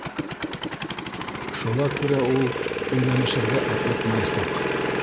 Шуға күрә ул өйләнешергә атлыҡмаясаҡ.